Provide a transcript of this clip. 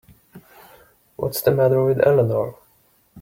What's the matter with Eleanor?